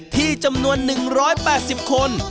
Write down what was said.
ที่จำนวน๑๘๐คน